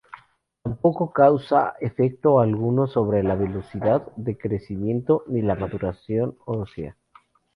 Tampoco causa efecto alguno sobre la velocidad de crecimiento ni la maduración ósea.